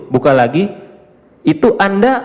buka lagi itu anda